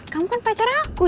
kamu kan pacar aku